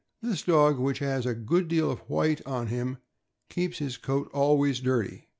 This dog, which has a good deal of white on him, keeps his coat always dirty.